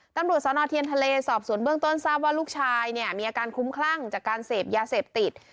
ตำรวจสนเทียนทะเลสอบสวนเบื้องต้นทราบว่าลูกชายเนี่ยมีอาการคุ้มคลั่งจากการเสพยาเสพติด